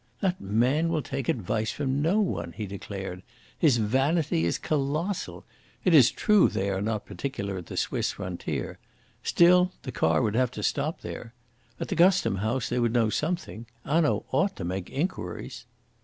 "That man will take advice from no one," he declared. "His vanity is colossal. It is true they are not particular at the Swiss Frontier. Still the car would have to stop there. At the Custom House they would know something. Hanaud ought to make inquiries."